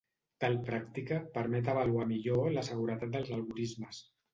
Tal pràctica permet avaluar millor la seguretat dels algorismes.